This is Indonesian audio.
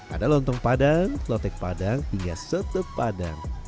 ada lontong padang lotek padang hingga sete padang